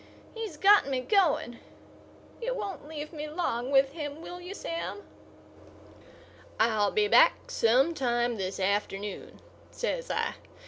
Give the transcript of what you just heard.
He's got me going. You won't leave me long with him, will you, Sam?" "I'll be back some time this afternoon," says I.